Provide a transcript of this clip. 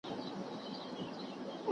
¬مياشت که يوه ده، ورځي ئې ډېري دي.